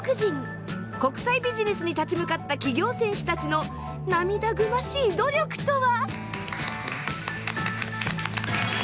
国際ビジネスに立ち向かった企業戦士たちの涙ぐましい努力とは！？